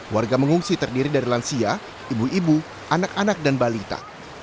warga mengungsi terdiri dari lansia ibu ibu anak anak dan balita